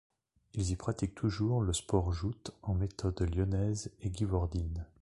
Ils y pratiquent toujours le sport joutes en méthode Lyonnaise et Givordine.